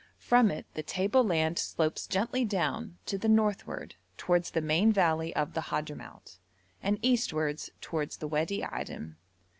From it the table land slopes gently down to the northward towards the main valley of the Hadhramout, and eastwards towards the Wadi Adim.